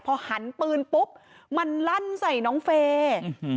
พอหันปืนปุ๊บมันลั่นใส่น้องเฟย์